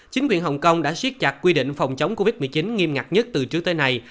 chính quyền hồng kông đã siết chặt quy định phòng chống covid một mươi chín nghiêm ngặt nhất từ trước tới nay